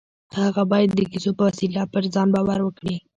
هغه بايد د کيسو په وسيله پر ځان باور کړي.